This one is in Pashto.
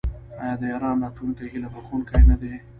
آیا د ایران راتلونکی هیله بښونکی نه دی؟